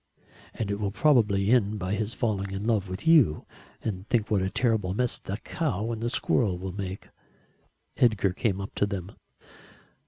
"And it will probably end by his falling in love with you and think what a terrible mess the cow and the squirrel will make." Edgar came up to them.